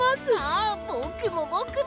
あぼくもぼくも。